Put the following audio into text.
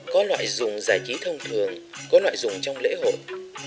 có loại dùng giải trí thông thường có loại dùng trong lễ hội